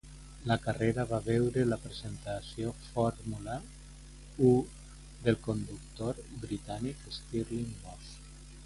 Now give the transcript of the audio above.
La carrera va veure la presentació Fórmula I del conductor Britànic Stirling Moss.